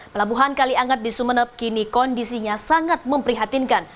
pelabuhan kaliangat di sumeneb kini kondisinya sangat memprihatinkan